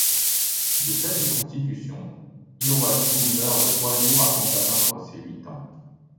De faible constitution, Hiroatsu meurt le trois jours avant d'atteindre ses huit ans.